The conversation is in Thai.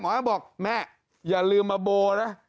หมออ้ำบอกแม่อย่าลืมมาโบ่นะ